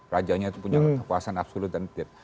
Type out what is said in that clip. rajanya itu punya kekuasaan absolut dan tip